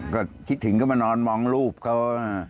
ก็คิดถึงก็มานอนมองรูปเขา